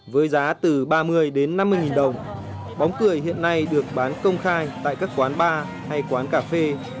với giá từ ba mươi đến năm mươi nghìn đồng bóng cười hiện nay được bán công khai tại các quán bar hay quán cà phê